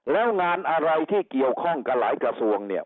แล้วงานอะไรที่เกี่ยวข้องกับหลายกระทรวงเนี่ย